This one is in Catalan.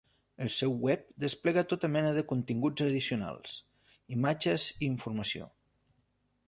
El seu web desplega tota mena de continguts addicionals, imatges i informació.